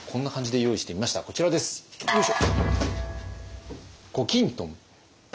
よいしょ！